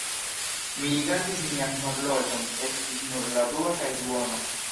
Mi rigardis mian horloĝon: estis nur la dua kaj duono.